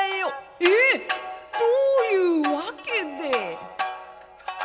「え？どういうわけで」。